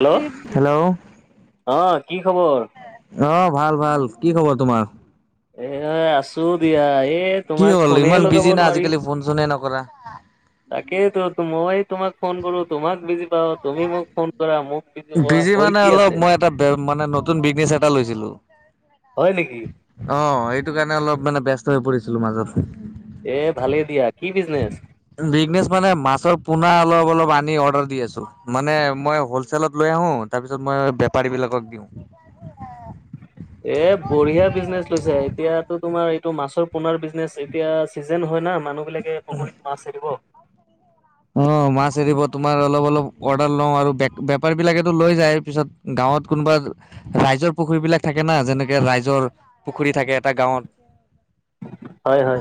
Hello hello অ, অ কি খবৰ ভাল-ভাল। কি খবৰ তোমাৰ? এ আছো দিয়া, এই কি তোমাক হ'ল ফোনে ইমান লগাব বিজি না নোৱাৰি। আজিকালি ফোন চোনে নকৰা তাকেইতো, মই তোমাক ফোন কৰোঁ তোমাক বিজি পাওঁ। তুমি মোক ফোন কৰা মোক পোৱা বিজি হৈ মানে কি অলপ, আছে মই এটা বে মানে নতুন বিজনেছ এটা লৈছিলোঁ। হয় নেকি অ', এইটো কাৰণে অলপ মানে, ব্যস্ত হৈ পৰিছিলো মাজত। এ ভালেই দিয়া। কি বিজনেছ? বিজনেছ মানে মাছৰ পোনা অলপ-অলপ আনি অৰ্ডাৰ দি আছোঁ। মানে মই হ'ল চেলত লৈ আহো, তাৰপিছত মই বেপাৰী বিলাকক দিওঁ। এ বঢ়িয়া বিজনেছ লৈছা, এতিয়াতো তোমাৰ এইটো মাছৰ পোনাৰ বিজনেছ, এতিয়া চিজন হয় না, মানুহ বিলাকে, পুখুৰীত মাছ এৰিব। অ', মাছ এৰিব। তোমাৰ অলপ-অলপ অৰ্ডাৰ লওঁ আৰু বে-বেপাৰী বিলাকেতো লৈ যায় পিছত। গাঁৱত কোনোবা ৰাইজৰ পুখুৰী বিলাক থাকে না, যেনেকে ৰাইজৰ পুখুৰী থাকে এটা গাঁৱত। হয়-হয়।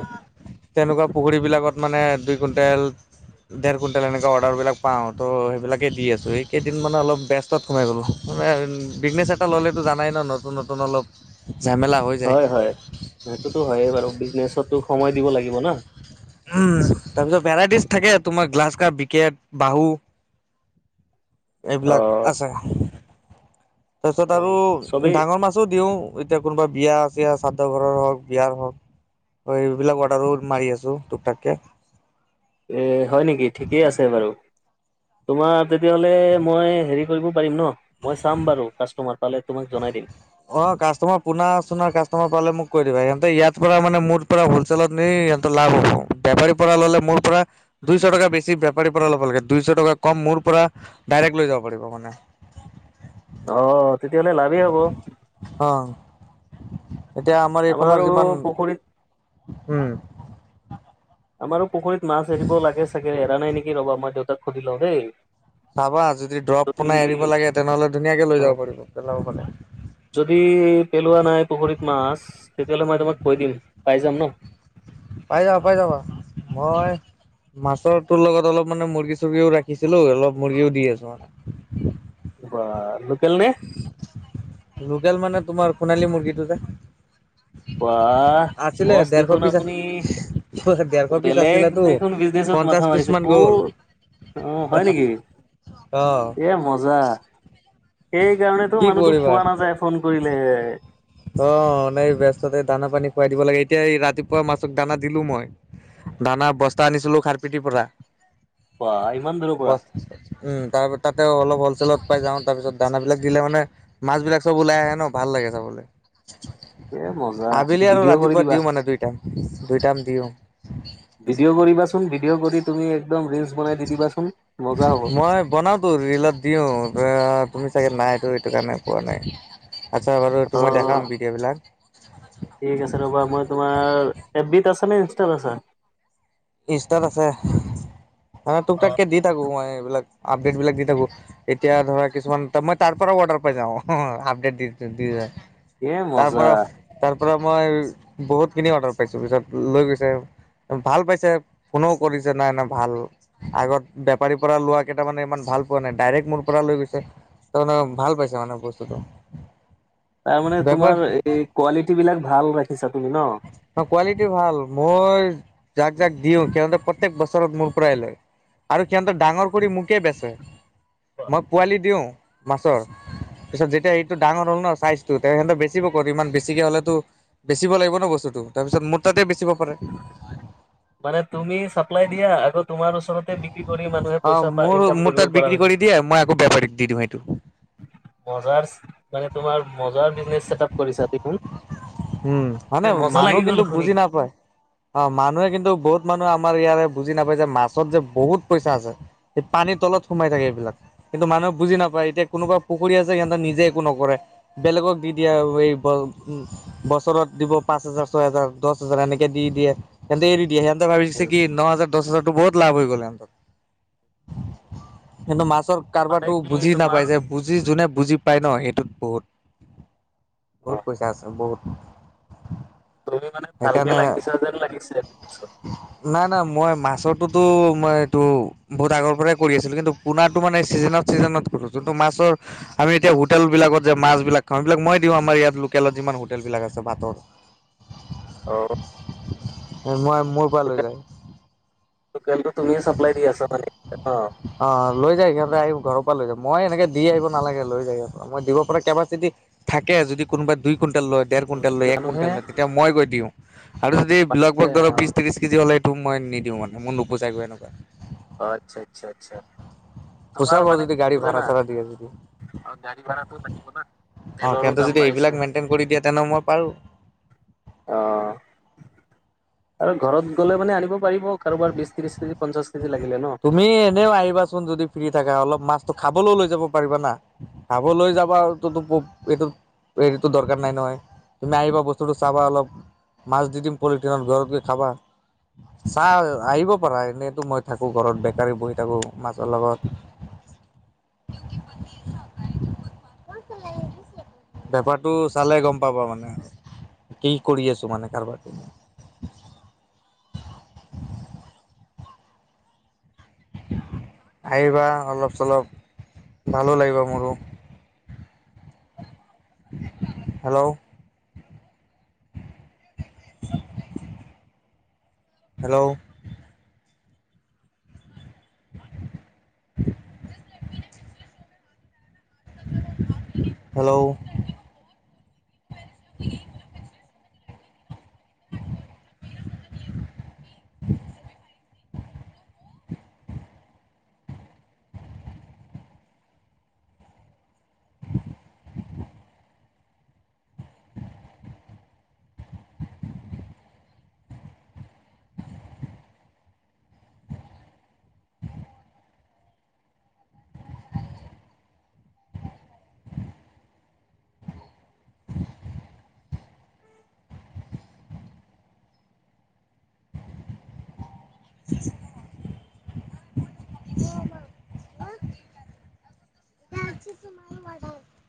তেনেকুৱা পুখুৰীবিলাকত মানে, দুই কুইণ্টেল। ডেৰ কুইণ্টেল এনেকুৱা অৰ্ডাৰবিলাক পাওঁ, ত' সেইবিলাকে দি আছোঁ। এই কেইদিন মানে অলপ বেষ্ট ত সোমাই গ'লোঁ, মে বিজনেছ এটা ল'লেতো জানাই ন নতুন-নতুন অলপ ঝামেলা- হৈ যায় হয়-হয়, সেইটোতো হৈয়ে বাৰু, বিজনেছততো সময় দিব লাগিব ন। উম তাৰ পিছত ভেৰাইটিজ থাকে তোমাৰ গ্লাচ কাপ, বিকেট, বাহু। অ এইবিলাক আছে। তাৰপিছত অ আৰু চবেই ডাঙৰ মাছ ছো দিওঁ, এতিয়া কোনোবা বিয়া আছে শ্ৰাদ্ধ ঘৰৰ হওক, বিয়াৰ হওক। হয়, এইবিলাক অৰ্ডাৰো মাৰি আছোঁ, টুক-টাককে। এ হয় নেকি, থিকেই আছে বাৰু। তোমাৰ তেতিয়া হ'লে, মই হেৰি কৰিব পাৰিম ন মই চাম বাৰু, কাষ্টমাৰ পালে তোমাক জনাই দিম। অ, কাষ্টমাৰ পোনা-চোনা, কাষ্টমাৰ পালে মোক কৈ দিবা। সিহঁতে ইয়াত পৰা মানে, মোৰ পৰা হ'ল চেলত নি, সিহঁতৰ লাভ হ'ব। বেপাৰীৰ পৰা ল'লে, মোৰ পৰা দুইশ টকা বেছি বেপাৰীৰ পৰা ল'ব লাগে, দুইশ টকা কম মোৰ পৰা, ডাইৰেক্ট লৈ যাব পাৰিব মানে। অ', তেতিয়া হ'লে, লাভে হ'ব। অ', এতিয়া আমাৰ এইফালৰ আমাৰো যিমান, পুখুৰীত উম'। আমাৰো পুখুৰীত মাছ এৰিব লাগে চাগে, এৰা নাই নেকি, ৰ'বা মই দেউতাক সুধি লওঁ দেই। চাবা যদি দ্ৰপ পোনাই এৰিব লাগে, তেনেহলে ধুনীয়াকে লৈ অ যাব পাৰিব, পেলাব কাৰণে। যদি পেলোৱা নাই পুখুৰীত মাছ, তেতিয়াহ'লে মই উম তোমাক কৈ দিম। পাই যাম ন? পাই যাবা, পাই যাবা। মই - মাছৰতোৰ লগত অলপ মানে মুৰ্গী-চুৰ্গীও ৰাখিছিলোঁ, অলপ মুৰ্গীও দি আছোঁ মানে। বা', লোকেল নে? লোকেল মানে তোমাৰ, সোণালী মুৰ্গীটো যে। বা', আছিলে বছ ডেৰশ দেখোন পিচ আছিলে আপুনি - ডেৰশ পিচ বেলেগ আছিলেতো দেখোন বিজনেছত পঞ্চাশ মাথা পিচ মাৰিছোঁ। মান ক'ত? গ'ল উম, হয় নেকি। অ এ মজা। সেই কাৰণেতো কি মানুহটোক কৰিবা পোৱা নাযায় ফোন কৰিলে। অ', নেই ব্যস্ততে দানা-পানী খুৱাই দিব লাগে, এতিয়া এই ৰাতিপুৱা মাছক দানা দিলোঁ মই। দানা বস্তা আনিছিলোঁ, খাৰপিথি পৰা। বা', ইমান দূৰৰ পৰা? উম, তা-তাতে অলপ হলচেলত পাই যাওঁ, তাৰ পিছত - দানাবিলাক দিলে মানে মাছবিলাক চব ওলাই আহে ন' ভাল লাগে চাবলে। এ মজা আবেলি আৰু ভিডিঅ' কৰি ৰাতিপুৱা দিবা দিওঁ মানে দুই টাইম, দুই টাইম দিওঁ। ভিডিঅ' কৰিবাচোন, ভিডিঅ' কৰি তুমি একদম ৰিল্‌ছ বনাই দি দিবাচোন, মজা হ'ব। হয় বনা- টো ৰিলত দিওঁ। আপুনি চাগে নাই, ত' এইটো কাৰণে পোৱা নাই। আচ্ছা বাৰু অ তোমাক দেখাম ভিডিঅ'বিলাক। ঠিক আছে ৰ'বা, মই তোমাৰ, এফ বিত আছা নে ইনষ্টাত আছা? ইনষ্টাত আছে। মানে তুক-তাককে দি থাকোঁ মই এইবিলাক, আপডেটবিলাক দি থাকোঁ। এতিয়া ধৰা কিছুমান, তা, মই তাৰ পৰাও অৰ্ডাৰ পাই যাওঁ, আপডেট দি, দ, দি যায়। এ মজা তাৰপৰা - তাৰ পৰা মই বহুতখিনি অৰ্ডাৰ পাইছোঁ। পিছত লৈ গৈছে, ভাল পাই - ছে ফোনো কৰিছে, নাই নাই ভাল - আগত বেপাৰী পৰা লোৱাকেইটা মানে ইমান ভাল পোৱা নাই, ডাইৰেক্ট মোৰ পৰা লৈ গৈছে। তাৰমানে ভাল পাইছে মানে বস্তুটো। তাৰ মানে বেপাৰ তোমাৰ এই কোৱালিটীবিলাক ভাল ৰাখিছা তুমি ন? অ' কোৱালিটি ভাল। মই যাক যাক দিওঁ, সিহঁতে প্ৰ - তেক বছৰত মোৰ পৰাই লয়। আৰু সিহঁতে ডাঙৰ কৰি মোকে বেচে। মই পোৱালি দিওঁ - মাছৰ। পিছত যেতিয়া এইটো ডাঙৰ হ'ল ন' চাইজটো, তে সিহঁতে বেচিব ক'ত? ইমান বেছিকে হ'লেওতো - বেচিব লাগিব ন' বস্তুটো। তাৰপিছত মোৰ তাতে বেচিব পাৰে। মানে তুমি চাপ্লাই দিয়া আকৌ তোমাৰ ওচৰতে বিক্ৰী কৰি মানুহে অ পইচা পা, মোৰ ইনকাম মোৰ কৰিব। তাত পৰা বিক্ৰী হৈ কৰি গৈছে দিয়ে, মই আকৌ বেপাৰীক দি দিওঁ সেইটো। মজাৰচ, মানে তোমাৰ মজা বিজনেছ ছেট-আপ কৰিছা দেখোন। উম, মানে এ মজা মানুহ লাগি গ'ল কিন্তু শুনি বুজি নাপায়। অ', মানুহে কিন্তু, বহুত মানুহে আমাৰ ইয়াৰে বুজি নাপায় যে, মাছত যে বহুত পইচা আছে। সি পানীৰ তলত সোমাই থাকে এইবিলাক। কিন্তু মানুহে বুজি নাপায়। এতিয়া কোনোবা পুখুৰী আছে, সিহঁতে নিজে একো নকৰে। বেলেগক দি দিয়া ৱে ব' ম'। বছৰত দিব পাঁচ হাজাৰ, ছয় হাজাৰ, দছ হাজাৰ এনেকে দি দিয়ে, সিহঁতে এৰি দিয়ে সিহঁতে সিহঁতে ভাবিছে কি ন হাজাৰ দচ হাজাৰটো বহুত লাভ হৈ গল সিঁহতৰ কিন্তু মাছৰ মানে কাৰোবাতো কি বুজি নাপাই যে তোমাৰ বুজি যোনে বুজি পায় ন এইটোত বহুত। বহুত পইচা আছে বহুত। তুমি মানে ভালকে সেইকাৰণে লাগিছা যেন লাগিছে পিছত। নাই নাই মই মাছটোতো মই এইটো বহুত আগৰ পৰাই কৰি আছিলো কিন্তু পোনাটো মানে চিজনত চিজনত খুলো যোনটো মাছৰ আমি এতিয়া হোটেলবিলাকত যে মাছবিলাক খাম সেইবিলাক মই দিওঁ আমাৰ ইয়াত লোকেলত যিমান হো হোটেলবিলাক আছে ভাতৰ। অঁ। মই মোৰ পৰা লৈ যায়। ত টেলটো তুমিয়ে চাপ্লাই দি আছা মানে অ। অ লৈ যায় সিহঁতে আহি ঘৰৰ পৰা লৈ যাম, মই এনেকে দি আহিব নালাগে লৈ যায় সিহঁত। মই দিব পৰা কেপাচিটিত থাকে যদি কোনোবা দুই কুইণ্টেল লয়। দেৰ বঢ়িয়া। কুইণ্টেল লয়, এক মানুহে কুইণ্টেল লয় তেতিয়া মই গৈ দিওঁ আৰু যদি হে লগভগ অ ধৰক বিশ - ত্ৰিশ কেজি হ'লে টো মই নিদিওঁ মানে মোৰ নুবুজাই গৈ এনেকুৱা। অ আচ্ছা আচ্ছা আচ্ছা আমাৰ পোচাব মানে যদি গাড়ী কি ভাড়া জানা? চাড়া দিয়ে যদি আৰু গাড়ী ভাড়াটো লাগিব না অ তেলৰো কিন্তু দাম যদি বাঢ়িছে। এইবিলাক মেইনটেইন কৰি দিয়া তেনে মই পাৰো। অহ। আৰু ঘৰত গলে মানে আনিব পাৰিব কাৰোবাৰ বিশ - ত্ৰিশ কেজি, পঞ্চাশ কেজি লাগিলে ন। তুমি এনেও আহিবা চোন যদি ফ্ৰী থাকা অলপ মাছটো খাবলৈও লৈ যাব পাৰিবা না। [unintelligible] খাব লৈ যাবা তত এইটো [inaudible] হেৰিতো দৰকাৰ নাই নহয় নাই তুমি আহিবা বস্তুটো চাবা অলপ [unintelligible] মাছ দি দিম পলিথিনত ঘৰত গৈ খাবা, চাহ আহিব পাৰা এনেইটো মই থাকো [inaudible] আকৌ ঘৰত বেকাৰে বহি থাকোঁ মাছৰ লগত [unintelligible] বেপাৰটো চালে গম পাব মানে কি কৰি আছো মানে কাৰোবাৰ আহিবা অলপ-চলপ, ভালো লাগিব মোৰো। [unintelligible] Hello [unintelligible] hello [unintelligible] [unintelligible] hello [unintelligible] [unintelligible] [unintelligible] [unintelligible]